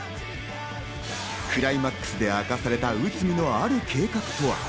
クライマックスで明かされた内海のある計画とは？